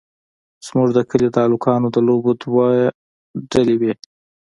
زموږ د کلي د هلکانو د لوبو دوه ډلې وې.